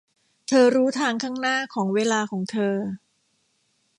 เธอรู้ทางข้างหน้าของเวลาของเธอ